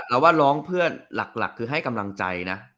เราว่าร้องเพื่อนหลักคือให้กำลังใจนะ